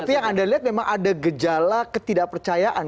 tapi yang anda lihat memang ada gejala ketidakpercayaan